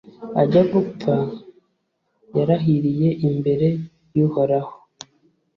Ajya gupfa, yarahiriye imbere y’Uhoraho,